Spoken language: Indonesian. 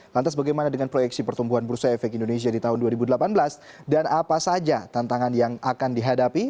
lantas bagaimana dengan proyeksi pertumbuhan bursa efek indonesia di tahun dua ribu delapan belas dan apa saja tantangan yang akan dihadapi